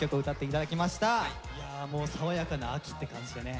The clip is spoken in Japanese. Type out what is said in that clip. いやもう爽やかな秋って感じでね